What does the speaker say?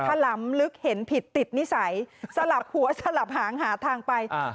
ฉลำลึกเห็นผิดติดนิสัยสลับหัวสลับหางหาทางไปอ่า